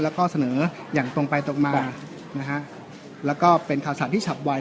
แล้วก็เสนออย่างตรงไปตรงมานะฮะแล้วก็เป็นข่าวสารที่ฉับไว